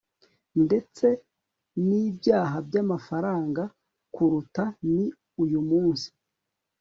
ndetse nibyaha byamafaranga kuruta ni uyu munsi